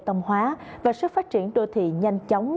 tâm hóa và sức phát triển đô thị nhanh chóng